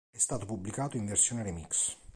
È stato pubblicato in versione remix.